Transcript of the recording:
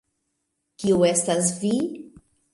Kiu estas vi?